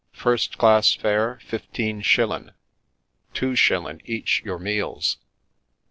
First class fare fifteen shillin', two shillin' each your meals.